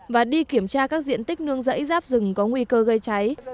và đi kiểm tra các diện tích nương rẫy giáp rừng có nguy cơ gây cháy